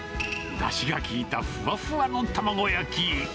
だしが効いたふわふわの卵焼き。